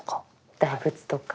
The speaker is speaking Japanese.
大仏とか。